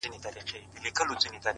داده ميني ښار وچاته څه وركوي-